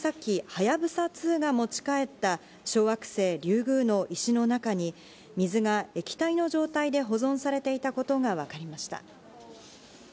「はやぶさ２」が持ち帰った小惑星リュウグウの石の中に水が液体の状態で保存されていたことがわかりました。